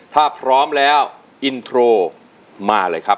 ถ้าพร้อมแล้วอินโทรมาเลยครับ